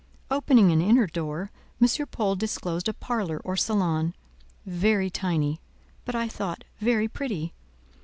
Opening an inner door, M. Paul disclosed a parlour, or salon—very tiny, but I thought, very pretty.